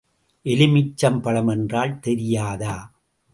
எலுமிச்சம் பழம் என்றால் தெரியாதா?